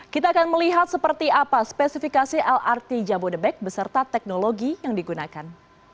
kita akan melihat seperti apa spesifikasi lrt jabodebek beserta teknologi yang digunakan